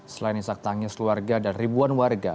selain isak tangis keluarga dan ribuan warga